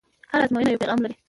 هره ازموینه یو پیغام لري.